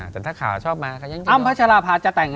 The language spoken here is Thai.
แต่ถ้าข่าวชอบมาก็ยังจะต้อง